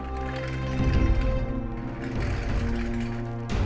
aku mau nyuruh mama